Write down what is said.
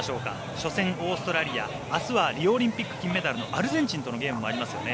初戦、オーストラリア明日はリオオリンピック金メダルのアルゼンチンの試合もありますよね。